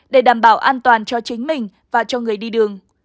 để đảm bảo an toàn cho chính mình và cho người đi đường